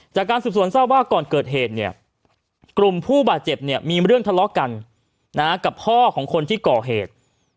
จากการสืบสวนทราบว่าก่อนเกิดเหตุเนี่ยกลุ่มผู้บาดเจ็บเนี่ยมีเรื่องทะเลาะกันกับพ่อของคนที่ก่อเหตุ